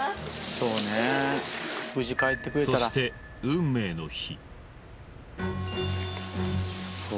そして運命の日